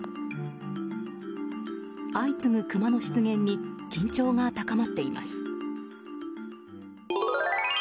相次ぐクマの出現に緊張が高まっています。